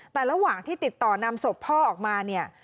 แต่ระหว่างที่ติดต่อนำศพพ่อออกมาเนี่ย